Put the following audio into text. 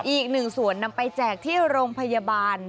อีกหนึ่งส่วนนำไปแจกที่โรงพยาบาล